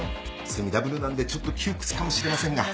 セミダブルなんでちょっと窮屈かもしれませんが。